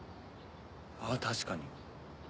あっ確かに。